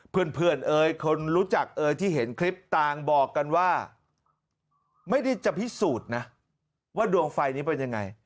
เพื่อนเอ๋ยคนรู้จักเอ่ยที่เห็นคลิปต่างบอกกันว่าไม่ได้จะพิสูจน์นะว่าดวงไฟนี้เป็นยังไง